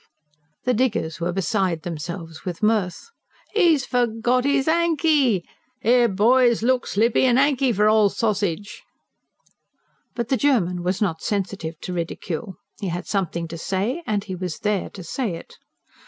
The diggers were beside themselves with mirth. "'E's forgot 'is 'ankey!" "'Ere, boys, look slippy! a 'ankey for ol' sausage!" But the German was not sensitive to ridicule. He had something to say, and he was there to say it.